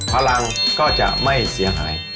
พลังก็จะไม่เสียหาย